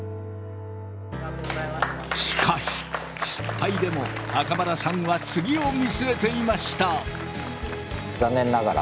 しかし失敗でも袴田さんは次を見据えていました。